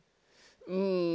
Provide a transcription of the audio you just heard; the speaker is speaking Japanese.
うん。